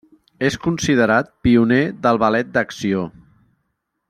És considerat pioner del ballet d'acció.